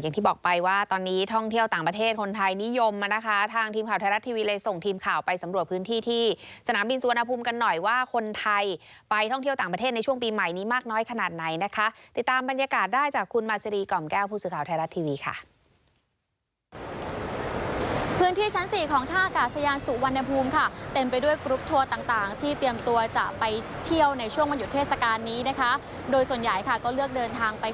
อย่างที่บอกไปว่าตอนนี้ท่องเที่ยวต่างประเทศคนไทยนิยมมานะคะทางทีมข่าวไทยรัฐทีวีเลยส่งทีมข่าวไปสำรวจพื้นที่ที่สนามบินสุวรรณภูมิกันหน่อยว่าคนไทยไปท่องเที่ยวต่างประเทศในช่วงปีใหม่นี้มากน้อยขนาดไหนนะคะติดตามบรรยากาศได้จากคุณมาซีรีกล่อมแก้วผู้สื่อข่าวไทยรัฐทีวีค่ะเต็มไปด้วย